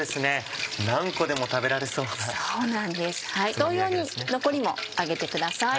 同様に残りも揚げてください。